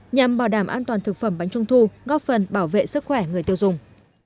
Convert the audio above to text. nhằm bảo đảm an toàn thực phẩm bánh trung thu góp phần bảo vệ sức khỏe người tiêu dùng